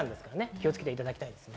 気をつけていただきたいです。